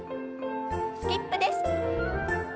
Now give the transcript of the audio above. スキップです。